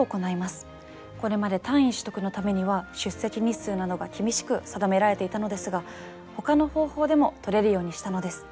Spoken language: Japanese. これまで単位取得のためには出席日数などが厳しく定められていたのですがほかの方法でもとれるようにしたのです。